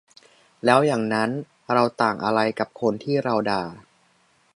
แล้วอย่างนั้นเราต่างอะไรกับคนที่เราด่า ?